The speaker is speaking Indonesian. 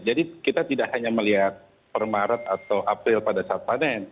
jadi kita tidak hanya melihat per maret atau april pada saat panen